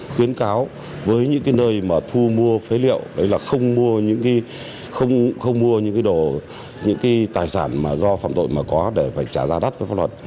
khuyến cáo với những nơi mà thu mua phế liệu không mua những tài sản do phạm tội mà có để trả ra đắt với pháp luật